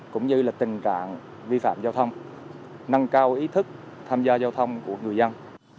cũng như là tình trạng vi phạm giao thông nâng cao ý thức tham gia giao thông của người dân